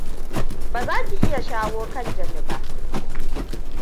Baza ki iya shawo kan Jami ba.